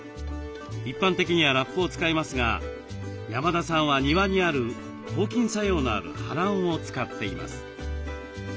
一般的にはラップを使いますが山田さんは庭にある抗菌作用のあるはらんを使っています。